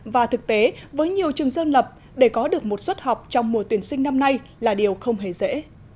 và thực tế với nhiều trường dân lập để có được một suất học trong mùa tuyển sinh năm nay là điều không hề dễ